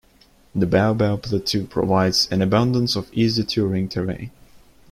The Baw Baw Plateau provides an abundance of easy touring terrain.